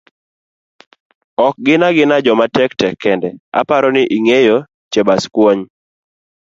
ok gina gina joma tek tek kende, aparo ni ingeyo Chebaskwony.